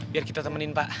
biar kita temenin pak